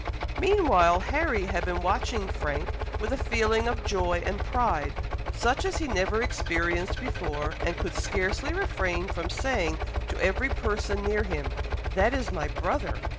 Meanwhile, Harry had been watching Frank with a feeling of joy and pride, such as he never experienced before, and could scarcely refrain from saying to every person near him, "That is my brother!"